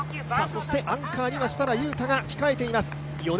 アンカーには設楽悠太が控えています。